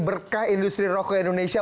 berkah industri rokok indonesia